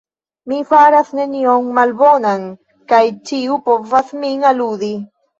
Mi faras nenion malbonan, kaj ĉiu povas min aŭdi.